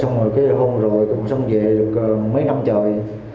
xong rồi hôn rồi xong rồi về được mấy năm trời